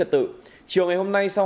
về tội hủy hoại tài sản